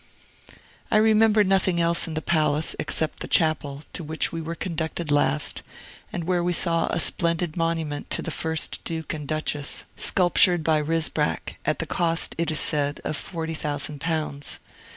I remember nothing else in the palace, except the chapel, to which we were conducted last, and where we saw a splendid monument to the first Duke and Duchess, sculptured by Rysbrack, at the cost, it is said, of forty thousand pounds.